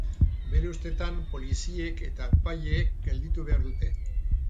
Bere ustetan, poliziek eta epaileek gelditu behar dute.